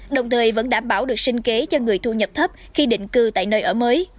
đồng thời vẫn đảm bảo được sinh kế cho người thu nhập thấp khi định cư tại nơi ở mới